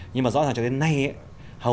nhưng mà rõ ràng cho đến nay ấy